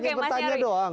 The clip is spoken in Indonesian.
hanya pertanyaan doang